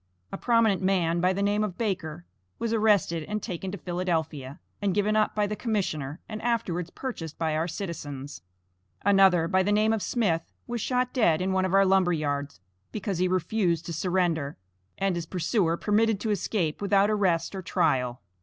A prominent man, by the name of Baker, was arrested and taken to Philadelphia, and given up by the commissioner, and afterwards purchased by our citizens; another, by the name of Smith, was shot dead in one of our lumber yards, because he refused to surrender, and his pursuer permitted to escape without arrest or trial.